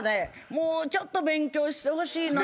もうちょっと勉強してほしいのよ